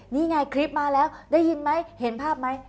นี่ไงคลิปมาแล้วได้ยินไหมเห็นภาพไหม